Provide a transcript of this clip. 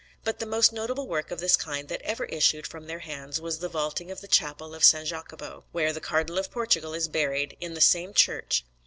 But the most notable work of this kind that ever issued from their hands was the vaulting of the Chapel of S. Jacopo, where the Cardinal of Portugal is buried, in the same church.